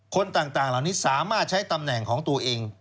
คนต่างเหล่านี้สามารถใช้ตำแหน่งของตัวเอง